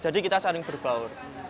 jadi kita saling berbaur